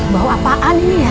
bau apaan ini ya